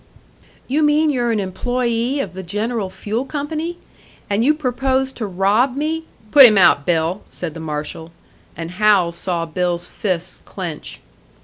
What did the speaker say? "You mean you're an employé of the General Fuel Company? And you propose to rob me " "Put him out, Bill," said the marshal. And Hal saw Bill's fists clench.